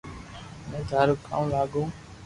ھون ٿاري ڪاو لاگو